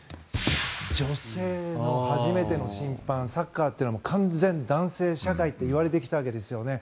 女性の初めての審判サッカーは完全男性社会といわれてきたわけですよね。